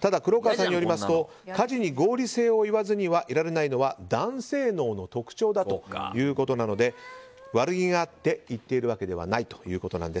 ただ、黒川さんによりますと家事に合理性を言わずにはいられないのは男性脳の特徴だということなので悪気があって言っているわけではないということなんです。